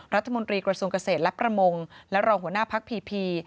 รัฐมนตรีกระทรวงเกษตรและประมงและรองหัวหน้าพักพีพี